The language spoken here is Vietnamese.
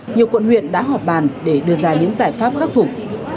nhiều quận huyện đã họp bàn để đưa ra những giải pháp khắc phục